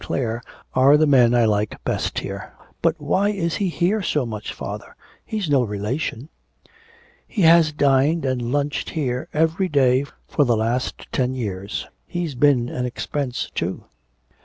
Clare are the men I like best here. But why is he here so much, father, he's no relation.' 'He has dined and lunched here every day for the last ten years. He's been an expense too.'